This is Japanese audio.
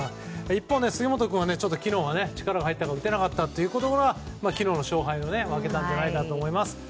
一方、杉本君は昨日、力が入って打てなかったということから昨日の勝敗を分けたんじゃないかなと思います。